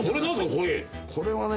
これはね。